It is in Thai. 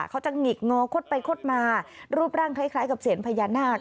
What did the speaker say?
หงิกงอคดไปคดมารูปร่างคล้ายกับเสียญพญานาค